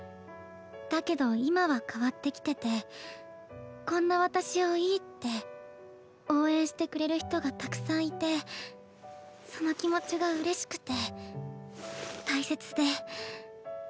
だけど今は変わってきててこんな私をいいって応援してくれる人がたくさんいてその気持ちがうれしくて大切で。